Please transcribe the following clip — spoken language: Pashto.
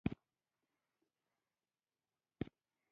په کاسه کې هګۍ وې تازه پخې شوې وې.